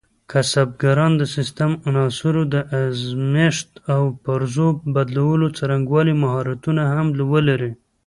کسبګران د سیسټم عناصرو د ازمېښت او پرزو بدلولو څرنګوالي مهارتونه هم ولري.